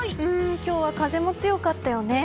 今日は風も強かったよね。